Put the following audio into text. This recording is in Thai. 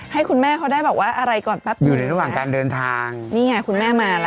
ให้คุณแม่เขาได้แบบว่าอะไรก่อนแป๊บเดียวอยู่ในระหว่างการเดินทางนี่ไงคุณแม่มาแล้ว